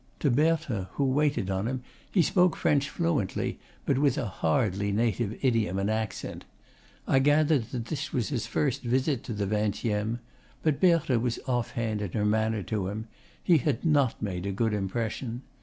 To Berthe, who waited on him, he spoke French fluently, but with a hardly native idiom and accent. I gathered that this was his first visit to the Vingtieme; but Berthe was off hand in her manner to him: he had not made a good impression.